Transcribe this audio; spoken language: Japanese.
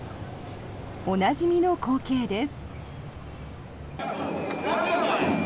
おなじみの光景です。